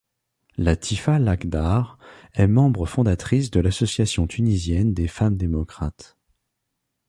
Latifa Lakhdar est membre fondatrice de l'Association tunisienne des femmes démocrates.